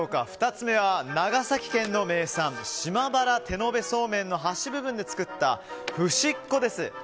２つ目は、長崎県の名産島原手延べそうめんの端っこで作ったふしっこです。